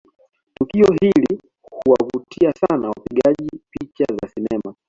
Tukio hili huwavutia sana wapigaji picha za sinema